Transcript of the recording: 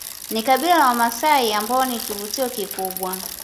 ni kabila la wamasai ambao ni kivutio kikubwa